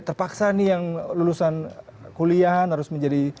terpaksa nih yang lulusan kuliah harus menjadi online